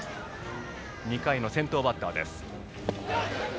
２回の先頭バッターです。